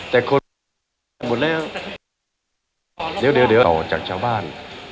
แต่คนหมดแล้วเดี๋ยวเดี๋ยวเดี๋ยวต่อจากชาวบ้าน